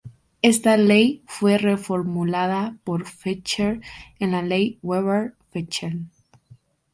Esta ley fue reformulada por Fechner en la ley de Weber-Fechner.